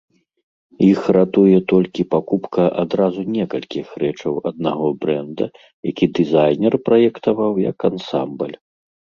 Іх ратуе толькі пакупка адразу некалькіх рэчаў аднаго брэнда, якія дызайнер праектаваў як ансамбль.